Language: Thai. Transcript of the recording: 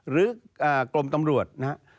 หรือกลมตำรวจนะฮะ